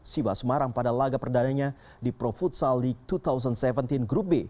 sibas marang pada laga perdanaannya di pro futsal league dua ribu tujuh belas group b